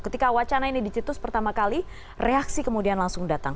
ketika wacana ini dicetus pertama kali reaksi kemudian langsung datang